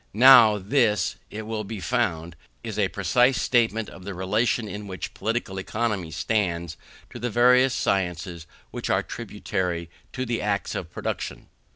Now this, it will be found, is a precise statement of the relation in which Political Economy stands to the various sciences which are tributary to the arts of production.